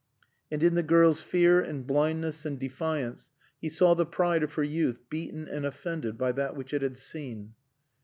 And in the girl's fear and blindness and defiance he saw the pride of her youth beaten and offended by that which it had seen.